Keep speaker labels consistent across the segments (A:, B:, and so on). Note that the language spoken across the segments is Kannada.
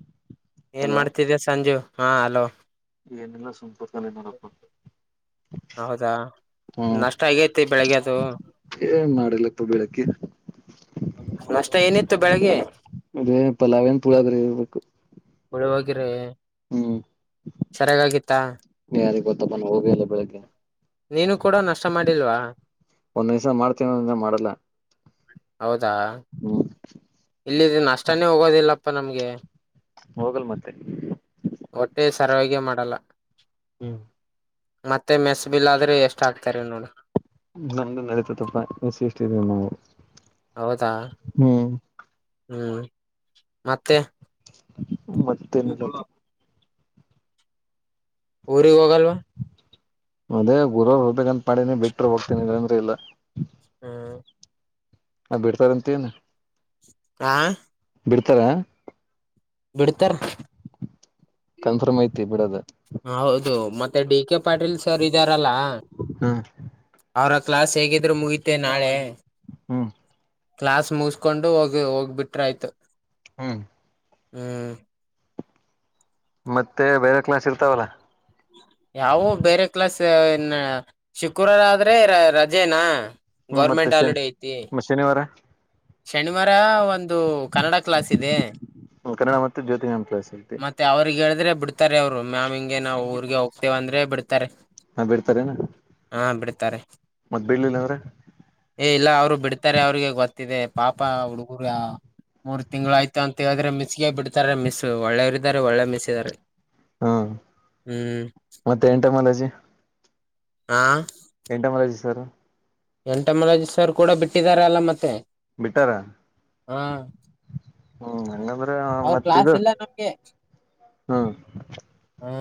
A: [inaudible] ಏನ್
B: ಹಲೋ
A: ಮಾಡ್ತಿದೀಯ ಸಂಜೀವ್. ಹಾ ಹಲೋ.
B: ಏನಿಲ್ಲ ಸುಮ್ನ್ ಕೂತ್ಕೊಂಡಿದಿನಿ ನೋಡಪ್ಪ.
A: ಹೌದಾ
B: ಹ್ಮ್
A: ನಾಷ್ಟಾ ಆಗೈತಿ ಬೆಳಿಗ್ಗೆ ದು.
B: ಏನ್ ಮಾಡಿಲ್ಲಪ್ಪ ಬೆಳಗ್ಗೆ
A: ನಾಷ್ಟ ಏನಿತ್ತು ಬೆಳಿಗ್ಗೆ.
B: ಅದೇನ್ ಪಲಾವೇನ್ ಪುಳಿಯೋಗರೆ ಇರ್ಬೇಕು.
A: ಪುಳಿಯೋಗರೆ.
B: ಹ್ಮ್
A: [inaudible] ಸರಿಯಾಗಿತ್ತಾ.
B: ಯಾರಿಗ್ ನಾ ಹೋಗೆ ಇಲ್ಲ ಬೆಳಗ್ಗೆ.
A: ನೀನು ಕೂಡ ನಷ್ಟ ಮಾಡಿಲ್ವಾ.
B: ಒಂದ್ಸ ಮಾಡ್ತೇನ ಒಂದೊಂದ್ಸ ಮಾಡಲ್ಲ
A: [unintelligible] ಹೌದಾ
B: ಹ್ಮ್
A: [inaudible] ಇಲ್ಲಿ ನಷ್ಟಾನೇ ಹೋಗೋದಿಲ್ಲಪ್ಪ ನಮ್ಗೆ. [inaudible]
B: ಹೋಗಲ್ ಮತ್ತೆ.
A: ಹೊಟ್ಟೆ ಸರ್ವಗೆ ಮಾಡಲ್ಲ.
B: ಹ್ಮ್.
A: ಮತ್ತೆ ಮೆಸ್ ಬಿಲ್ ಆದ್ರೆ ಎಷ್ಟ ಆಗ್ತಾರೆ ನೋಡು.
B: ನಮ್ದು ನಡೀತದಪ್ಪ ಎಸ್ ಸಿ ಎಸ್ ಟಿ ಇದೀವಿ ನಾವು.
A: ಹೌದಾ.
B: ಹ್ಮ್
A: ಹ್ಮ್ ಮತ್ತೆ.
B: ಹ. [inaudible] ಮತ್ತೆ ನಗದ್ರು.
A: ಊರಿಗ್ಹೋಗಲ್ವಾ.
B: ಅದೇ ಗುರುವವರು ಹೋಗಬೇಕಂತ ಮಾಡಾಿನಿ ಬಿಟ್ಟ್ರರು ಹೋಗ್ತೇನಿಂದ್ರ ಇಲ್ಲ. [unintelligible]
A: ಹ್ಮ.
B: ಅವರ್ ಬಿಡ್ತಾರಂತ ಏನ್.
A: ಹಾ.
B: ಬಿಡ್ತರ.
A: ಬಿಡ್ತರ್.
B: ಕನ್ಫರ್ಮ್ ಐತಿ ಬಿಡೋದ.
A: ಹೌದು ಮತ್. ಮತ್ತೆ ಡಿ ಕೆ ಪಾಟೀಲ್ ಸರ್ ಇದಾರಲ್ಲ
B: ಹ್ಮ್
A: ಅವರಸ್. ಕ್ಲಾಸ್ ಹೇಗಿದ್ರು ಮುಗಿಯುತ್ತೆ ನಾಳೆ.
B: ಹ್ಮ್.
A: ಕ್ಲಾಸ್ ಮುಗಿಸಿಕೊಂಡು ಹೋಗು ಹೋಗ್ಬಿಟ್ರೆ ಆಯ್ತು.
B: ಹ್ಮ್.
A: ಹ್ಮ್.
B: ಮತ್ತೆ ಬೇರೆ ಕ್ಲಾಸ್ ಇರ್ತಾವಲ್ಲ.
A: ಯಾವೋ ಬೇರೆ ಕ್ಲಾಸ್. [unintelligible] ಶುಕ್ರುವರಾದ್ರೆ ರಜಾ. ಜೆನಾ.
B: ಹ್ಮ್ ಮತ್ತೆ ಶೇಮ್ ಶನಿವಾರ.
A: ಶನಿವಾರ ಒಂದು ಕನ್ನಡ ಕ್ಲಾಸ್ ಇದೆ.
B: ಮ್ ಕನ್ನಡ ಮತ್ತು ಜ್ಯೋತಿ ನಂ.
A: ಮತ್ತೆ ಅವರ್ ಹೇಳ್. ಅಂದ್ರೆ ಬಿಡ್ತಾರೆ ಅವ್ರು ಮ್ಯಾಮ್ ಹಿಂಗೆ ನಾವು ಊರ್ರಿಗೆ ಹೋಗ್ತೀವಿ ಅಂದ್ರೆ ಬಿಡ್ತಾರೆ.
B: ಹಾ ಬಿಡ್ತಾರೇನ.
A: ಅ ಬಿಡ್ತಾರೆ.
B: ಮತ್ ಬಿಡ್ಲಿಲ್ಲ ಅವ್ರೆ
A: ಏ ಇಲ್ಲ ಅವರು ಬಿಡ್ತಾರೆ ಅವರಿಗೆ ಗೊತ್ತಿದೆ. ಪಾಪ ಹಾ ಹುಡುಗುರ್ರಾ ಮೂರ್ ತಿಂಗಳಾಯ್ತು ಅಂತೆ ಹೇಳಿದ್ರೆ ಮಿಸ್ಗೆ ಬಿಡ್ತಾರೆ ಮಿಸ್. ಒಳ್ಳೆಯವರಿದ್ದಾರೆ ಒಳ್ಳೆ ಮಿಸ್ಸಿದ್ದರೆ.
B: ಹ್ಮ ಮತ್ತೆ ಎಂಟ ಮಾಲಾಜಿ.
A: ಹಾ.
B: ಎಂಟ ಮನೆಜಸರ.
A: ಎಂಟಮಲಜಿ ಸರ್ ಕೂಡ ಬಿಟ್ಟಿದರಲ್ಲ ಮತ್ತೆ.
B: ಬಿಟ್ಟಾರ
A: ಹ
B: ಹ್ಮ್ ಹಂಗಾದ್ರೆ
A: ಅವ್ರ ಕ್ಲಾಸ್
B: ಮತ್ತಿದು
A: ಇಲ್ಲ ನಮ್ಗೆ
B: ಹ್ಮ್.
A: ಹ್ಮ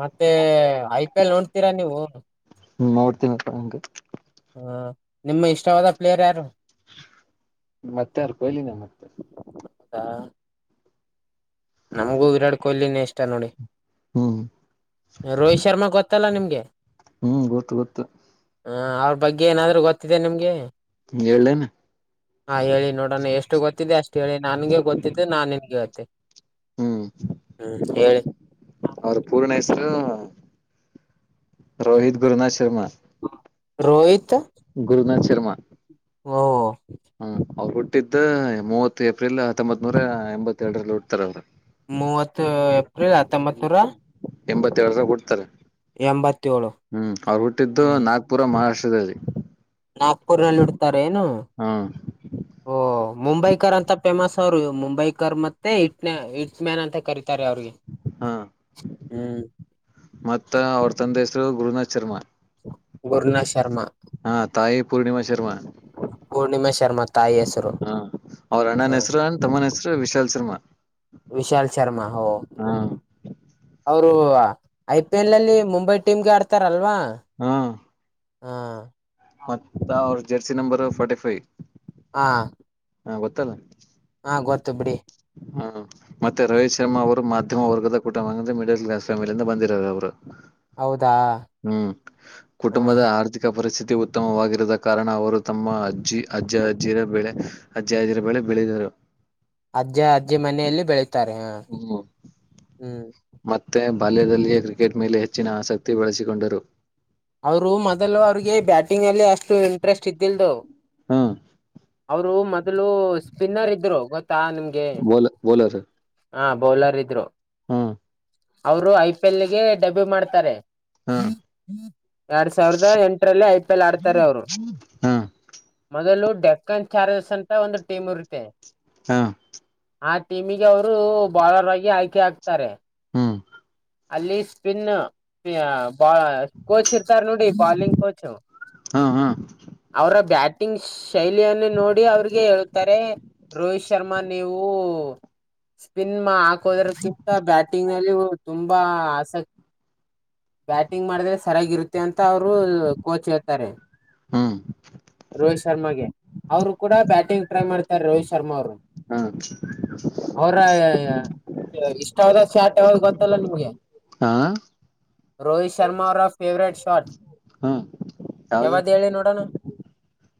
A: ಮತ್ತೆ ಐ ಪಿ ಎಲ್ ನೋಡ್ತೀರಾ ನೀವು.
B: ಹ್ಮ್ ನೋಡ್ತೀನ್. [unintelligible]
A: ಹ ನಿಮ್ಮ ಇಷ್ಟವಾದ ಪ್ಲೇಯರ್ ಯಾರು.
B: ಮತ್ತೆ ಅವ್ರ ಕೊಯ್ಲಿನ ಮತ್ತೆ
A: ಹ. ನಮ್ಗೂ ವಿರಾಟ್ ಕೊಹ್ಲಿನೇ ಇಷ್ಟ ನೋಡಿ.
B: ಹ್ಮ್
A: ರೋಹಿತ್ ಶರ್ಮಾ ಗೊತ್ತಲ್ಲ ನಿಮ್ ಕ. [unintelligible]
B: ಹ್ಮ್ ಗೊತ್ತು ಗೊತ್ತು.
A: ಹ ಅವ್ರ ಬಗ್ಗೆ ಏನಾದ್ರು ಗೊತ್ತಿದೆ ನಿಮ್ಗೆ.
B: ಕೇಳಿನ.
A: ಹಾ ಹೇಳಿ ನೋಡೋಣ ಎಷ್ಟು ಗೊತ್ತಿದೆ ಅಷ್ಟ. ಹೇಳೇಳಿ ನನ್ಗೆ ಗೊತ್ತಿದ್ದೆ ನಾನ್ ನಿಂಗ್ ಹೇಳ್ತಿನ್.
B: ಹ್ಮ್ ಅವ್ರ ಪೂರ್ಣ ಹೆಸ್ ರೋಹಿತ್ ಗುರುನಾಥ ಶರ್ಮಾ.
A: ರೋಹಿತ್.
B: ಗುರುನಾಥ್ ಶರ್ಮಾ.
A: ಹೊ.
B: ಹ್ಮ್ ಅವ್ರು ಹುಟ್ಟಿದ್ದ ಮೂವತ್ ಏಪ್ರಿಲ್ ಹತ್ತೊಂಬತ್ ನೂರ ಎಂಬತ್ತೆರಡರಲ್ಲಿ ಹುಡ್ತಾರ ಅವರು.
A: ಮೂವತ್ತು ಏಪ್ರಿಲ್ ಹತ್ತೊಂಬತ್ ನೂರ.
B: ಎಂಬತ್ತೇಳರರ ಹುಡ್ತರ್.
A: ಎಂಬತ್ತೇಳು
B: ಹ್ಮ್ ಅವ್ರು ಹುಟ್ಟಿದ್ದು
A: ಹ್ಮ್
B: ನಾಗಪುರ ಮಹಾರಾಷ್ಟ್ರದಲ್ಲಿ.
A: ಪುರ ರಲ್ಲಿ ಹುಡ್ತರ್. ಏನು.
B: ಹಾ
A: ಮುಂಬೈ ಕರ್ ಅಂತ ಫೇಮಸ್ ಅವರು ಮುಂಬೈ ಕರ್ ಮತ್ತೆ ಇ ಇಟ್ ಮ್ಯಾನ್ ಅಂತ ಕರತ. ತಾರೆ ಅವ್ರಿಗೆ ಹ್ಮ್.
B: ಮತ್ತ ಅವ್ರ ತಂದ ಹೆಸರು ಗುರುನಾಥ್ ಶರ್ಮಾ.
A: ಗುರುನಾತ್ ಶರ್ಮಾ.
B: ಹಾ ತಾಯಿ ಪೂರ್ಣಿಮಾ ಶರ್ಮಾ
A: ಪೂರ್ಣಿಮಾ ಶರ್ಮಾ ತಾಯಿ ಹೆಸರು
B: ಹ ಅವ್ರ ಅಣ್ಣನ ಹೆಸರು ಅರ್ ತಮ್ಮನ ಹೆಸರು ವಿಶಾಲ್ ಶರ್ಮಾ.
A: ವಿಶಲ್ ಶರ್ಮಾ ಹ.
B: ಹಾ
A: ಅವರು. ಐ ಪಿ ಎಲ್ ಅಲ್ಲಿ ಮುಂಬೈ ಟೀಮ್ಗೆ ಆಡ್ತಾರಲ್ವಾ.
B: ಹಾ
A: ಹಾ.
B: ಮತ್ತ ಅವ್ರ. Jersey number forty five.
A: ಹಾ.
B: ಹಾ ಗೊತ್ತಲ್ಲ.
A: ಹಾ ಗೊತ್ತು ಬಿಡಿ.
B: ಹ್ಮ. ಮತ್ತೆ ರೋಹತ್ ಶರ್ಮ ಅವರು ಮಾ ವರ್ಗದ ಕುಟ ಅಂದ್ರೆ ಮಿಡಲ್ ಕ್ಲಾಸ್ ಫ್ಯಾಮಿಲಿಂದ ಬಂದಿರೌರ್ ಅವರು.
A: ಹೌದಾ
B: ಹ್ಮ್
A: ಹ್ಮ್
B: ಕುಟುಂಬದ ಆರ್ಥಿಕ ಪರಿಸ್ಥಿತಿ. ಅ ಉತ್ತಮವಾಗಿರದ ಕಾರಣ ಅವರು. ತಮ್ಮ ಅಜ್ಜಿ ಅಜ್ಜಿ ಅಜ್ಜಿಯರ ಬೆಳೆ. ಅಜ್ಜಿ ಹಾಜರ ಬೆಳೆ ಬೆಳಿದರು. [unintelligible]
A: ಅಜ್ಜ ಅಜ್ಜಿ ಮನೆಯಲ್ಲಿ ಬೆಳತ್. ತಾರೆ ಹಾ
B: ಹ್ಮ್
A: ಹ್ಮ್.
B: ಮತ್ತೆ ಬಾಲ್ಯದಲ್ಲಿಯೇ ಕ್ರಿಕೆಟ್ ಮೇಲೆ ಹೆಚ್ಚಿನ ಆಸಕ್ತಿ ಬಳಸಿಕೊಂಡರು.
A: ಅವರು ಮೊದಲು ಅವ್ರಿಗೆ ಬ್ಯಾಟಿಂಗ್ ಅಲ್ಲಿ ಅಷ್ಟು ಇಂಟ್ರೆಸ್ಟ್ ಇದ್ದಿಲ್ದವ್.
B: ಹಾ.
A: ಅವರು ಮೊದಲು ಸ್ಪಿನ್ನರ್ ಇದ್ರು ಗೊತ್ತಾ ನಿಮ್ಗೆ.
B: ಬೌಲ ಬೌಲರ್
A: ಹಾ ಬೌಲರ್ ಇದ್ರು.
B: ಹ
A: ಅವರು ಐ ಪಿ ಎಲ್ಗೆ ಡಬಿ ಮಾಡ್ತಾರೆ
B: ಹ
A: ಎರಡ್ ಸಾವಿರದ ಎಂಟರಲ್ಲಿ ಐ ಪಿ ಎಲ್ ಆಡ್ತಾರೆ ಅವರು
B: ಹ
A: ಮೊದಲು ಡೆಕ್. ಕಂಚಾರ್ಜಸ್ ಅಂತ ಒಂದು ಟೀಮ್ ಇರುತ್ತೆ
B: ಹ
A: ಆ. ಟೀಮಿಗೆ ಅವರೂ ಬಾಲರ್ ಆಗಿ ಆಯ್ಕೆ ಆಗ್ತಾರೆ.
B: ಹ್ಮ.
A: ಅಲ್ಲಿ. ಪಿನ್ ಕೋಚ್ ಬಾ ಕೋಚ್ ಇರ್ತಾರ್ ನೋಡಿ ಬಾಲಿಂಗ್ ಕೋಚು.
B: ಹಾ ಹಾ.
A: ಅವರ ಬ್ಯಾಟಿಂಗ್ ಶೈಲಿಯನ್ನು ನೋಡಿ ಅವ್ರಿಗೆ ಹೇಳ್ತಾರೆ ರೋಹಿತ್ ಶರ್ಮಾ ನೀವೂ. ಸ್ಪಿನ್ ಮಾ-ಹಾಕೋದ್ರಕ್ಕಿಂತ ಬ್ಯಾಟಿಂಗ್ ನಲ್ಲಿ ತುಂಬಾ ಆಸಕ್ತಿ ಬ್ಯಾಟಿಂಗ್ ಮಾಡಿದ್ರೆ ಸರಿಯಾಗಿರುತ್. ತ್ತೇ ಅಂತ ಅವರು ಕೋಚ್ ಹೇಳ್ತಾರೆ.
B: ಹ್ಮ.
A: ರೋಹಿತ್ ಶರ್ಮಾಗೆ ಅವರು ಕೂಡ ಬ್ಯಾಟಿಂಗ್ ಟ್ರೈ ಮಾಡ್ತಾರೆ ರೋಹಿತ್ ಶರ್ಮಾ ಅವರು.
B: ಹಾ.
A: ಅವ್ರ ಇಷ್ಟಾವದ ಸ್ಯಾಟ್ ಯಾವ್ದ್ ಗೊತ್ತಲ್ಲ ನಿಮ್ಗೆ.
B: ಹಾ.
A: ರೋಹಿತ್ ಶರ್ಮಾ ಅವರ ಫೇವರೆಟ್ ಶಾಟ್.
B: ಹ್ಮ
A: ಯವದ್ ಹೇಳಿ ನೋಡೋಣ.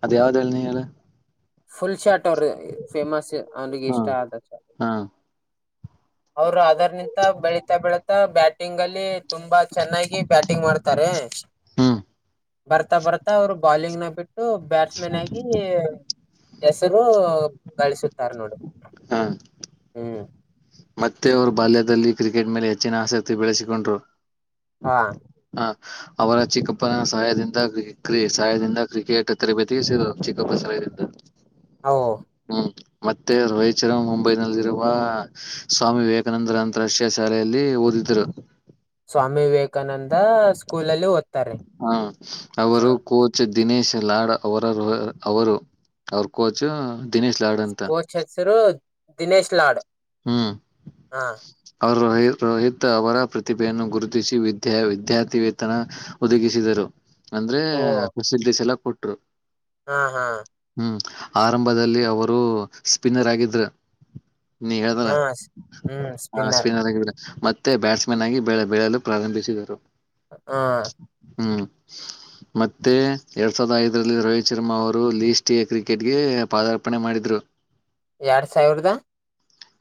B: ಅದ್ಯಾವ್ದ ಹೇಳ ನೀ ಹೇಳ.
A: ಫುಲ್ ಶಾಟ್ ಅವರ್ರ ಫೇಮಸ್ಸ. ಅವನಿಗೆ
B: ಹಾ
A: ಇಷ್ಟ ಆದ ಸ
B: ಹಾ
A: ಅವರು ಅದರ್ ನಿಂತ ಬೆಳಿತಾ ಬೆಳತಾ ಬ್ಯಾಟಿಂಗ್ ಅಲ್ಲಿ ತುಂಬಾ ಚೆನ್ನಾಗಿ ಬ್ಯಾಟಿಂಗ್ ಮಾಡ್ ತಾರೆ
B: ಹ್ಮ್.
A: ಬರ್ತಾ ಬರ್ ತಾ ಅವ್ರು ಬಾಲಿಂಗ್ನ ಬಿಟ್ ಬ್ಯಾಟ್ಸ್ ಮನ್ ಆಗಿ ಹೆಸರು ಗಳಿಸುತ್ತಾರೆ ನೋಡಿ
B: ಹಾ
A: ಹ್ಮ್.
B: ಮತ್ತೆ ಅವರು ಬಾಲ್ಯದಲ್ಲಿ ಕ್ರಿಕೆಟ್ ಮೇಲೆ ಹೆಚ್ಚಿನ ಆಸಕ್ತಿ ಬೆಳೆಸಿಕೊಂಡ್ರು.
A: ಹಾ.
B: ಹ ಅವರ ಚಿಕ್ಕಪ್ಪನ ಸಹಾಯದಿಂದ ಕ್ರಿ ಸಹಾಯದಿಂದ ಕ್ರಿಕೆಟ್ ತರಬೇತಿಗೆ ಸಿ ಚಿಕ್ಕಪ್ಪ ಸಹಾಯದಿಂದ.
A: ಹೌ
B: ಹ್ಮ್ ಮತ್ತೆ ರಾಯಚರ ಮುಂಬೈನಲ್ಲಿರುವ ಸ್ವಾಮಿ ವಿವೇಕಾನಂದರ ಅಂತಾರಾಷ್ಟ್ರೀಯ ಶಾಲೆಯಲ್ಲಿ ಓದಿದ್ರು.
A: ಸ್ವಾಮಿ ವಿವೇಕಾನಂದ ಸ್ಕೂಲ್ ಅಲ್ಲಿ ಓದ್ತಾರೆ
B: ಹ್ಮ
A: ಹ
B: ಅವರು ಕೋಚ್ ದಿನೇಶ್ ಲಾಡ್ ಅವರ ಅವರು ಅವ್ರ ಕೋಚ್ ದಿನೇಶ್ ಲಾಡ್ ಅಂತ
A: ಕೋಚ್ ಹೆಸರು ದಿನೇಶ್ ಲಾಡ್
B: ಹ್ಮ್
A: ಹ.
B: ಅವರು ರೋಹಿತ್ ರೋಹಿತ್ ಅವರ ಪ್ರತಿಭೆಯನ್ನು ಗುರುತಿಸಿ ವಿದ್ಯಾ ವಿದ್ಯಾರ್ಥಿ ವೇತನ ಒದಗಿಸಿದರು. ಅಂದ್ರೆ
A: ಓ
B: ಫೆಸಿಲಿಟಿಸ್ ಎಲ್ಲ ಕೊಟ್ ಅ
A: ಹಾ ಹಾ.
B: ಆರಂಭದಲ್ಲಿ ಅವರು ಸ್ಪಿನ್ನರ್ ಆಗಿದ್ರ. ನೀ ಹೇಳ್ದ್ಲ
A: ಹಾ ಸ್- ಹ್ಮ್ ಸ್ಪಿನ್ನರ್
B: ಅಶ್ವಿನ್ ಆದಾಗಿದ್ರು ಮ ಮತ್ತೆ ಬ್ಯಾಟ್ಸ್ಮನ್ ಆಗಿ ಬೆಳೆ ಬೆಳೆಯಲು ಪ್ರಾರಂಭಿಸಿದರು.
A: ಹ
B: ಹ್ಮ್ ಮತ್ತೆ ಎರಡ್ ಸಾವಿರದ ಐದರಲ್ಲಿ ರೋಹಿತ್ ಶರ್ಮಾ ಅವರು ಲೀಸ್ಟ್ ಎ ಕ್ರಿಕೆಟ್ಗೆ ಪಾದಾರ್ಪಣೆ ಮಾಡಿದ್ರು.
A: ಯಾಡ್ ಸಾವಿರದ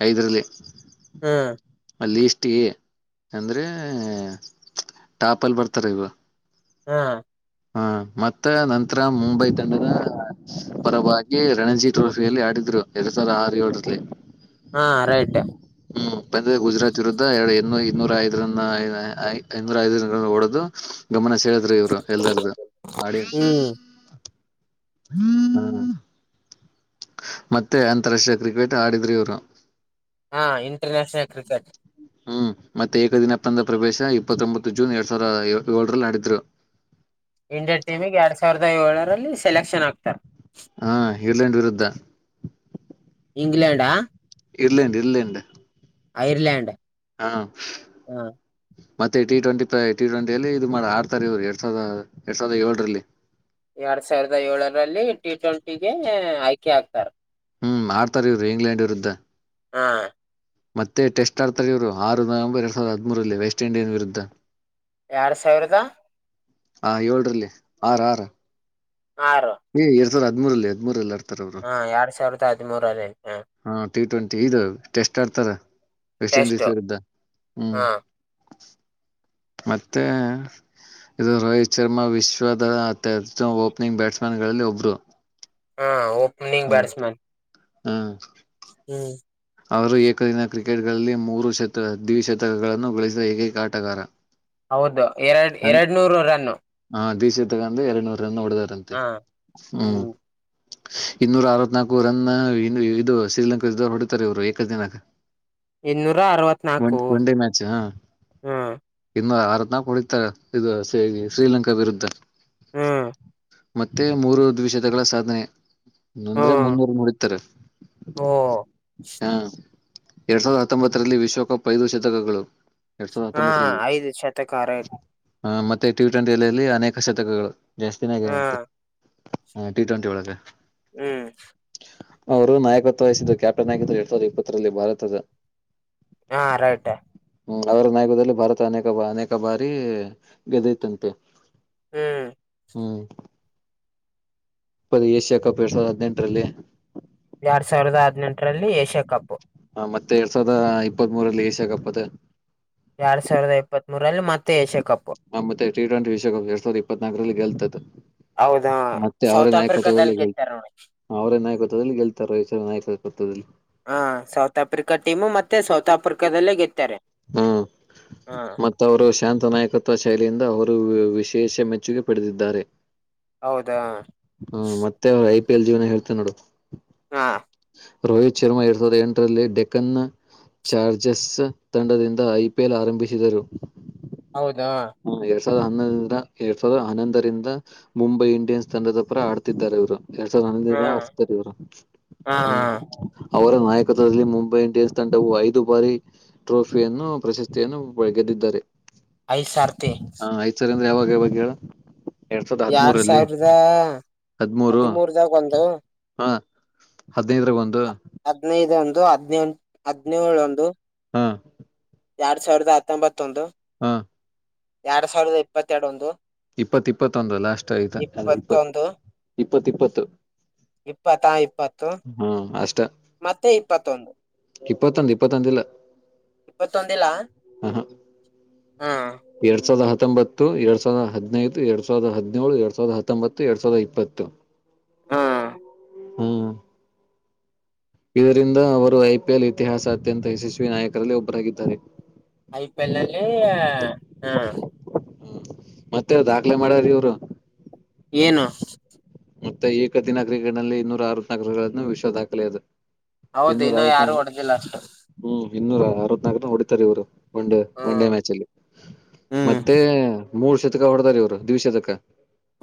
B: ಐದರಲ್ಲಿ.
A: ಹ್ಮ್.
B: ಟೀ ಅಂದ್ರೆ ಟಾಪಲ್ಲಿ ಬರ್ತಾರ್ ಇವಾಗ.
A: ಹಾ.
B: ಹಾ ಮತ್ತ ನಂತರ ಮುಂಬೈ ತಂಡದ ಪರವಾಗಿ ರಣಜಿ ಟ್ರೋಫಿಯಲ್ಲಿ ಆಡಿದ್ರು ಎರಡ್ ಸಾವಿರ ಆರು ಏಳರಲ್ಲಿ.
A: ಹಾ ರೈಟ್
B: ಹ್ಮ್ ಅಂದ್ರೆ ಗುಜರಾತ್ ವಿರುದ್ಧ ಹೆಡೆ ಐದ್ನೂರ ಐದ ರನ್ ಐ ಐದ್ನೂರ ಐದ ರನ್ ಹೊಡೆದು ಗಮನ ಸೆ ಳಿದ್ರ ಇವ್ರು. ಎಲ್ಲರ್ದು ಆಡಿ ಹ
A: ಹ್ಮ್
B: ಮತ್ತೆ ಅಂತಾರಾಷ್ಟ್ರೀಯ ಕ್ರಿಕೆಟ್ ಆಡಿದ್ರಿ ಇವ್ರು.
A: ಹಾ ಇಂಟರ್ ನ್ಯಾಷನಲ್ ಕ್ರಿಕೆಟ್.
B: ಹ್ಮ್ ಮತ್ತೆ ಏಕದಿನಪ್ಪಂದ ಪ್ರವೇಶ ಇಪ್ಪತ್ತ್ರೊಂಬತ್ತು ಜೂನ್ ಎರಡ್ ಸಾವಿರ ಏಳರಲ್ಲಿ ಆಡಿದ್ರು.
A: ಇಂಡಿಯ ಟೀಮಿಗೆ ಎರಡ್ ಸಾವಿರದ ಏಳ ರಲ್ಲಿ ಸೆಲೆಕ್ಷನ್ ಆಗ್ತಾರ.
B: ಹಾ ಇರ್ಲೆಂಡ್ ವಿರುದ್ಧ.
A: ಇಂಗ್ಲೆಂಡಾ.
B: Ireland Ireland.
A: ಐರ್ಲ್ಯಾಂಡ್.
B: ಹಾ. ಮತ್ತೆ ಟಿ ಟ್ವೆಂಟಿ ಟಿ ಟ್ವೆಂಟಿಯಲ್ಲಿ ಇದು ಮಾಡಿ ಆರ್ತಾರ ಎರಡ್ ಸಾವಿರ ಎರಡ್ ಸಾವಿರದ ಯೋಳ್ರಲ್ಲಿ.
A: ಎರಡ್ ಸಾವಿರದ ಏಳರಲ್ಲಿ ಟಿ ಟ್ವೆಂ ಟಿಗೆ ಆಯ್ಕೆ ಆಗ್ತಾರ.
B: ಹ್ಮ್ ಆಡ್ತಾರ ಇವ್ರು ಇಂಗ್ಲೆಂಡ್ ವಿರುದ್ಧ.
A: ಹಾ.
B: ಮತ್ತೆ ಟೆಸ್ಟ್ ಆಡ್ತಾರ್ ಇವರು ಆರು ನವೆಂಬರ್ ಎರಡ್ ಸಾವಿರ ಹದ್ಮೂರಲ್ಲಿ ವೆಸ್ಟ್ ಇಂಡೀಸ್ ವಿರುದ್ಧ.
A: ಯಾಡ್ ಸಾವಿರದ
B: ಹಾ ಯೋಳ್ರಲ್ಲಿ ಆರ ಆರ.
A: ಆರು.
B: ಹದ್ಮೂರಲ್ಲಿ ಹದ್ಮೂರಲ್ಲರ್
A: ಹಾ ಎರಡ್ ಸಾವಿರದ ಮುರಲ್ಲಿ
B: ಹಾ. ಟಿ ಟ್ವೆಂಟಿ ಇದು ಟೆಸ್ಟ್ ಆಡ್ತಾರ. ವೆಸ್ಟ್
A: ಟೆಸ್ಟ್
B: ಇಂಡೀಸ್ ವಿರುದ್ಧ ಹ್ಮ್.
A: ಹ
B: ಮತ್ತೆ ಇದು ರೋಹಿತ್ ಶರ್ಮಾ ವಿಶ್ವದತ್ಯಸು ಓಪ್ನಿಂಗ್ ಬ್ಯಾಟ್ಸ್ಮನ್ ಗಳಲ್ಲಿ ಒಬ್ರು.
A: ಹಾ. Opening batsman.
B: ಹ್ಮ.
A: ಹ್ಮ್.
B: ಅವರು ಏಕದಿನ ಕ್ರಿಕೆಟ್ಗಳಲ್ಲಿ ಮೂರು ಶತ ದ್ವಿಶತಕಗಳನ್ನು ಗಳಿಸಿದ ಏಕೈಕ ಆಟಗಾರ.
A: ಹೌದು ಎರಡ್ ಎರಡ್ ನೂರು ರನ್ನು.
B: ದ್ವಿ ಶತಕ ಅಂದ್ರೆ ಎರಡ್ನೂರ್ ರನ್ನು ಹೊಡೆದರಂತೆ ಹ್ಮ್. ಇನ್ನೂರ ಅರವತ್ನಾಲ್ಕು ರನ್ ಇದು ಇದು ಶ್ರೀಲಂಕಾ ಹೊಡಿದ್ ತಾರಿವ್ರು ಏಕ ದಿನ.
A: ಇನ್ನೂರ ಅರವತ್ನಾಕು ಹೂಂ.
B: ನ ಕುನಿತಾರೆ ಇದು ಶೀ ಶ್ರೀಲಂಕಾ ವಿರುದ್ಧ.
A: ಹ್ಮೂ.
B: ಮತ್ತೆ ಮೂರು ದ್ವಿಷತಕಗಳ ಸಾಧನೆ. ಇನ್ನೊಂದ್ರೆ
A: ಹ್ಮ್
B: ಮುನ್ನೂರನ್ ಹೊಡಿತಾರೆ
A: ಓ
B: ಹಾ. ಎರಡ್ ಸಾವಿರದ ಹತ್ತೊಂಬತ್ತರಲ್ಲಿ ವಿಶ್ವಕಪ್ ಐದು ಶತಕಗಳು. ಎರಡ್ ಸಾವಿರದ
A: ಹಾ ಐದು ಶತಕ ಆರಯ್
B: ಹಾ ಮತ್ತೆ ಟಿ ಟ್ವೆಂಟಿಲ್ಲಿ ಅನೇಕ ಶತಕಗಳು. ಜಾಸ್ತಿನೆ ಆಗ್ಯಾವ.
A: ಹ್ಮ್
B: ಹಾ ಟಿ ಟ್ವೆಂಟಿ ಒಳಗ.
A: ಹ್ಮ್.
B: ಅವರು ನಾಯಕತ್ವ ವಹಿಸಿದ್ದರು ಕ್ಯಾಪ್ಟನ್ ಆಗಿದ್ರು ಎರಡ್ ಸಾವಿರದ ಇಪ್ಪತ್ತರಲ್ಲಿ ಭಾರತದ.
A: ಹಾ ರೈಟ.
B: ಹ್ಮ ಅವರ ನಾಯೋಗದಲ್ಲಿ ಭಾರತ ಅನೇಕ ಬ ಅನೇಕ ಬಾರಿ ಗೆದ್ದಿತಂತೆ.
A: ಹ್ಮ್.
B: ಪ ಏಷ್ಯಾ ಕಪ್ ಎರಡ್ ಸಾವಿರದ ಹದ್ನೆಂಟರಲ್ಲಿ.
A: ಎರಡ್ ಸಾವಿರದ ಹದ್ನೆಂಟ್ರಲ್ಲಿ ಏಷ್ಯಾ ಕಪ್.
B: ಮತ್ತೆ ಎರಡ್ ಸಾವಿರದ ಇಪ್ಪತ್ ಮೂರಲ್ಲಿ ಏಷ್ಯಾಕಪ್ಪದ.
A: ಎರಡ್ ಸಾವಿರದ ಇಪ್ಪತ್ತ್ ಮೂರಲ್ಲಿ ಮತ್ತೆ ಏಷ್ಯಾ ಕಪ್.
B: ಮತ್ತೆ ಟಿ ಟ್ವೆಂಟಿ ವಿಶ್ವಕಪ್ ಎರ್ಡ್ ಸಾವಿರದ್ ಇಪ್ಪತ್ನಾಕ್ರಲ್ ಗೆಲ್ತದ.
A: ಹೌದಾ
B: ಮತ್ತೆ ಅವರೇ
A: ಸೌತ್ ಆಫ್ರಿಕಾದಲ್ಲಿ
B: ನಾಯಕತ್ವದಲ್ಲಿ ಗೆಲ್
A: ಗೆತ್ತಾರ ನೋಡಿ
B: ಅವರೇ ನಾಯಕತ್ವದಲ್ಲಿ ಗೆಲ್ತಾರೆ ರಾಯಚೂರು ನಾಯಕತ್ವದಲ್ಲಿ
A: ಹಾ ಸೌತ್ ಆಫ್ರಿಕಾ ಟೀಮು ಮತ್ತೆ ಸೌತ್ ಆಫ್ರಿಕಾದಲ್ಲೇ ಗೆತ್
B: ಹ್ಮ ಮತ್ತ ಅವರು ಶಾಂತ ನಾಯಕತ್ವ ಶೈಲಿಯಿಂದ ಅವ ರು ವಿಶೇಷ ಮೆಚ್ಚುಗೆ ಪಡೆದಿದ್ದಾರೆ.
A: ಹೌದಾ
B: ಹ ಮತ್ತೆ ಅವ್ರ ಐ ಪಿ ಎಲ್ ಜೀವನ ಹೇಳ್ತೇನೆ ನೋಡು
A: ಹಾ
B: ರೋಹಿತ್ ಶರ್ಮಾ ಎರಡ್ ಸಾವಿರದ ಎಂಟರಲ್ಲಿ ಡೆಕನ್ ಚಾರ್ಜಸ್ ತಂಡದಿಂದ ಐ ಪಿ ಎಲ್ ಆರಂಭಿಸಿದರು.
A: ಹೌದಾ
B: ಎರಡ್ ಸಾವಿರದ ಹನ್ನೊಂದಂದ ಎರಡ್ ಸಾವಿರದ ಹನ್ನೊಂದರಿಂದ ಮುಂಬೈ ಇಂಡಿಯನ್ಸ್ ತಂಡದ ಪರ ಆಡ್ತಿದ್ದರೆ ಇವ್ರು. ಎರಡ್ ಸಾವಿರದ
A: ಹಾ
B: ಹನ್ನಂದರಿನ್ದ ಆಡಿಸ್ತಾರ್ ಇವ್ರು
A: ಹಾ
B: [unintelligible] ಹ್ಮ್. ಅವ್ರು ನಾಯಕತ್ವದಲ್ಲಿ ಮುಂಬೈ ಇಂಡಿಯನ್ಸ್ ತಂಡವು ಐದು ಬಾರಿ ಟ್ರೋಫಿಯನ್ನು ಪ್ರಶಸ್ತಿಯನ್ನು ಗೆದ್ದಿದ್ದಾರೆ.
A: ಐದ್ ಸರ್ತಿ
B: ಯಾವಗ್ ಹೇಳ್
A: ಎಡ್ ಸಾವಿರದ
B: ಹದ್ಮೂರು
A: ಹದಿಮೂರು ದಗ ಒಂದು.
B: ಹ [unintelligible] ಹದನೈದರಗ ಒಂದು
A: ಹದ್ನೈದು ಇಂದು [unintelligible] ಹದ್ನೈ ಹದ್ನೋಳು ಒಂದು
B: ಹ
A: ಎರಡ್ ಸಾವಿರದ ಹತ್ತೊಂಬತ್ತೊಂದು
B: ಹಾ
A: ಎರಡ್ ಸಾವಿರದ ಇಪ್ಪತ್ತೆರಡು ಒಂದು
B: ಇಪ್ಪತ್ ಇಪ್ಪತ್ತೊಂದ್ ಲಾಸ್ಟ್ ಇದ ಇಪ್ ಇಪ್ ಇಪ್ಪತ್ತಿಪ್ಪತ್ತು
A: ಇಪ್ಪತ್ತಾ ಇಪ್ಪತ್ತು [unintelligible] ಮತ್ತೆ ಇಪ್ಪತ್ತೊಂದು.
B: ಇಪ್ಪತ್ತಂದ ಇಪ್ಪತ್ತೊಂದಿಲ್ಲ.
A: ಇಪ್ಪತ್ತೊಂದಿಲ್ಲ
B: [unintelligible] ಹಾ ಹಾ
A: ಹಾ
B: ಎರಡ್ ಸಾವ್ರದ ಹತ್ ಹತ್ತೊಂಬತ್ತು ಎರಡ್ ಸಾವಿರದ ಹದಿನೈದು ಎರಡ್ ಸಾವಿರದ ಹನಿನೇಳು ಎರಡ್ ಸಾವಿರದ ಹತ್ತೊಂಬತ್ತು ಎರಡ್ ಸಾವಿರದ ಇಪ್ಪತ್ತು.
A: ಹಾ
B: ಹ್ಮ್ ಇದರಿಂದ ಅವರು ಐಪಿಎಲ್ ಇತಿಹಾಸ ಅತ್ಯಂತ ಯಶಸ್ವಿ ನಾಯಕರಲ್ಲಿ ಒಬ್ಬರಾಗಿದ್ದಾರೆ.
A: ಐಪಿಲ್ ಅಲ್ಲಿ ಹ
B: ಹ್ಮ ಮತ್ತೆ ದಾಖಲೆ ಮಾಡ್ಯಾರ ಇವ್ರು.
A: ಏನು
B: ಮತ್ತೆ ಈ ಕಠಿಣ ಕ್ರಿಕೆನಲ್ಲಿ ಇನ್ನೂರ ಅರವತ್ನಾಕ್ ರನ್ ಗಳನ್ನು ವಿಶ್ವ ದಾಖಲೆ ಅದು.
A: ಹೌದ್
B: ಇನ್ನೂರ
A: ಇನ್ನ ಯಾರು
B: ಅರವತ್ನಾಲ್ಕು
A: ಹೊಡೆದಿಲ್ಲ ಅಷ್ಟು.
B: ಹ್ಮ್ ಇನ್ನೂರ ಅರವತ್ನಾಲ್ಕ ಹೊಡಿತರೆ ಇವ್ರು. ಒನ್ ಡೇ ಒನ್ ಡೇ
A: ಹ್ಮ್
B: ಮ್ಯಾಚ್ ಅಲ್ಲಿ [unintelligible]
A: ಹ್ಮ್
B: ಮತ್ತೆ ಮೂರ್ ಶತಕ ಹೊಡದರ ಇವ್ರು ದ್ವಿಶತಕ.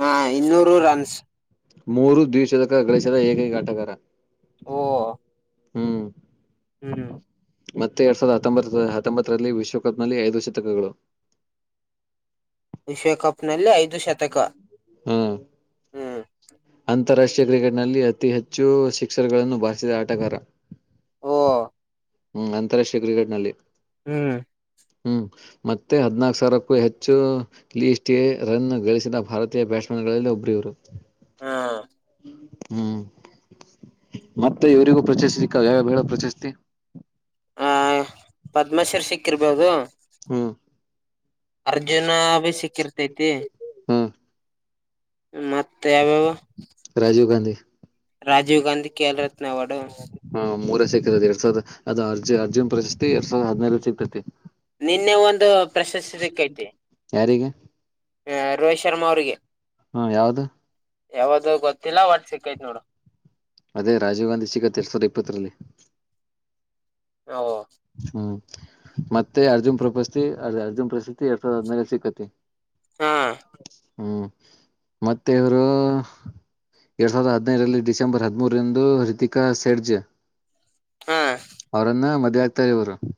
A: ಹಾ ಇನ್ನೂರು ರನ್ಸ್.
B: ಮೂರು ದ್ವಿಶತಕ ಗಳಿಸದ ಏಕೈಕ ಆಟಗಾರ.
A: ಓ.
B: ಹ್ಮ್.
A: ಹ್ಮ್.
B: ಮತ್ತೆ ಎರಡ್ ಸಾವಿರದ ಹತ್ತೊಂಬತ್ತ ಹತ್ತೊಂಬತ್ತರಲ್ಲಿ ವಿಶ್ವಕಪ್ನಲ್ಲಿ ಐದು ಶತಕಗಳು.
A: ವಿಶ್ವಕಪ್ನಲ್ಲಿ ಐದು ಶತಕ.
B: ಹ್ಮ್.
A: ಹ್ಮ್
B: ಅಂತಾರಾಷ್ಟ್ರೀಯ ಕ್ರಿಕೆಟ್ನಲ್ಲಿ ಅತಿ ಹೆಚ್ಚು ಶಿಕ್ಕ್ಷರ್ಗಳನ್ನು ಬಾರಿಸಿದ ಆಟಗಾರ.
A: ಓ
B: ಹ್ಮ್ ಅಂತಾರಾಷ್ಟ್ರೀಯ ಕ್ರಿಕೆಟ್ ನಲ್ಲಿ.
A: ಹ್ಮ್.
B: ಹ್ಮ ಮತ್ತೆ ಹದಿನಾಲ್ಕು ಸಾವಿರಕ್ಕೂ ಹೆಚ್ಚು ಲೀಸ್ಟ್ ಎ ರನ್ ಗಳಿಸಿದ ಭಾರತೀಯ ಬ್ಯಾಟ್ಸ್ಮನ್ಗಳಲ್ಲಿ ಒಬ್ರ ಇವರು.
A: ಹಾ.
B: ಹ್ಮ್ ಮತ್ತೆ ಇವರಿಗೂ ಪ್ರಶಸ್ತಿಕ್ಕ ಯಾವ ಬೇಡ ಪ್ರಶಸ್ತಿ.
A: ಆ ಪದ್ಮಾಶ್ರೀ ಸಿಕ್ಕಿರ್ಬೋದು.
B: ಹ್ಮ್.
A: ಅರ್ಜುನ ಭಿ ಸಿಕ್ಕಿರ್ತೈತಿ.
B: ಹ್ಮ್
A: ಮತ್ತ ಯಾವ್ಯಾವ
B: ರಾಜೀವ್ ಗಾಂಧಿ.
A: ರಾಜೀವ್ ಗಾಂಧಿ ಕೆ. [unintelligible] [unintelligible]
B: ಹ [inaudible] ಅದು ಅರ್ಜುನ್ ಪ್ರಶಸ್ತಿ ಎರಡ್ ಸಾವಿರ ಹದಿನಾರು ಸಿಕ್ತೈತಿ.
A: ನಿನ್ನೆ ಒಂದು ಪ್ರಶಸ್ತಿ ಸೀಕ್ಕಯ್ಯತಿ.
B: ಯಾರಿಗೆ
A: ರೋಹಿತ್ ಶರ್ಮಾ ಅವ್ರಿಗೆ. [inaudible]
B: ಹ್ಮ ಯಾವ್ದ.
A: ಯಾವದ್ ಗೊತ್ತಿಲ್ಲ ಒಟ್ ಸಿಕ್ಕೈತ್ ನೋಡು.
B: ಅದೇ ರಾಜೀವ್ ಗಾಂಧಿ ಸಿಗತ್ತೆ ಎರಡ್ ಸಾವಿರ ಇಪ್ಪತ್ತರಲ್ಲಿ.
A: ಹ. [unintelligible]
B: ಹ್ಮ್, ಮತ್ತೆ ಅರ್ಜುನ್ ಪ್ರಪಸ್ತಿ ಅದೆ-ಅರ್ಜುನ್ ಪ್ರಶಸ್ತಿ ಎರಡ್ ಸಾವಿರದ ಹದ್ನೈದ್ರಲ್ ಸಿಕ್ಕುತ್ತೆ.
A: ಹಾ
B: [inaudible] ಹ್ಮ್ ಮತ್ತೆ ಇವರೂ ಎರಡ್ ಸಾವಿರದ ಹದಿನೈದು ನಲ್ಲಿ ಡಿಸೆಂಬರ್ ಹದ್ಮೂರಂದು ಹೃತಿಕಾ ಸೆಡ್ಜ್.
A: ಹಾ
B: ಅವರನ್ನ ಮದ್. ತರಿೂರು. [unintelligible]